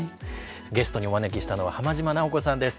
ゲストにお招きしたのは浜島直子さんです。